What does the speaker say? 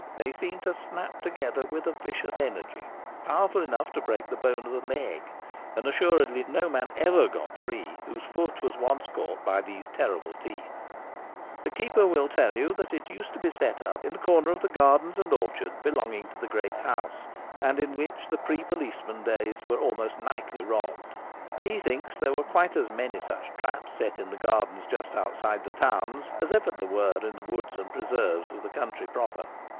They seem to snap together with a vicious energy, powerful enough to break the bone of the leg; and assuredly no man ever got free whose foot was once caught by these terrible teeth. B 2 The Gamekeeper at Home. The keeper will tell you that it used to be set up in the corner of the gardens and orchard belonging to the great house, and which in the pre policemen days were almost nightly robbed. He thinks there were quite as many such traps set in the gardens just out side the towns as ever there were in the woods and preserves of the country proper.